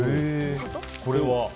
これは？